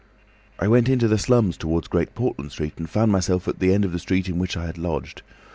"I went into the slums towards Great Portland Street, and found myself at the end of the street in which I had lodged.